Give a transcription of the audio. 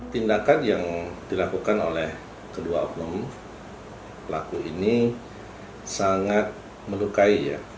tindakan yang dilakukan oleh kedua oknum pelaku ini sangat melukai ya